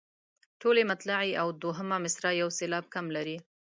ټولې مطلعې او دوهمه مصرع یو سېلاب کم لري.